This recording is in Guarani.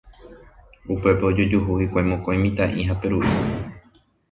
Upépe ojojuhu hikuái mokõi mitã'i ha Peru'i.